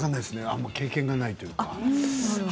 あまり経験がないというか。